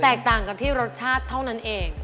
ต่างกับที่รสชาติเท่านั้นเอง